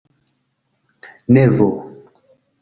nevo